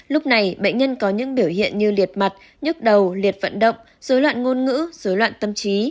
lúc này bệnh nhân có những biểu hiện như liệt mặt nhức đầu liệt vận động dối loạn ngôn ngữ dối loạn tâm trí